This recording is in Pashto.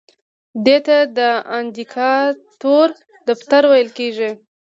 دې ته د اندیکاتور دفتر ویل کیږي.